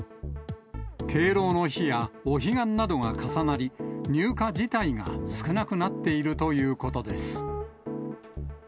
敬老の日やお彼岸などが重なり、入荷自体が少なくなっているということです。